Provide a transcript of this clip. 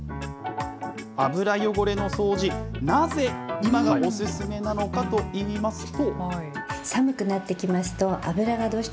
油汚れの掃除、なぜ、今がおすすめなのかといいますと。